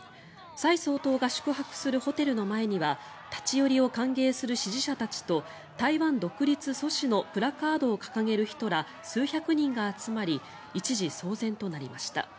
蔡総統が宿泊するホテルの前には立ち寄りを歓迎する支持者たちと台湾独立阻止のプラカードを掲げる人ら数百人が集まり一時、騒然となりました。